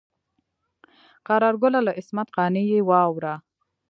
قرار ګله له عصمت قانع یې واوره.